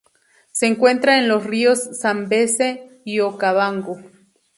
Se encuentra en los ríos Zambeze y Okavango.